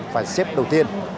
phải xếp đầu tiên